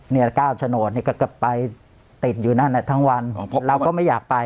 เนี่ย๙โฉนดเนี่ยก็ไปติดอยู่นั่นทั้งวันเราก็ไม่อยากไป